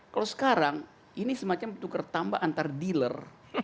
kalau sekarang ini semacam tukar tambah antar dealer